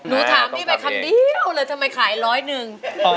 หนูถามที่แปลเราขามนิอวเลยทำไมขายร้อยหนึ่ง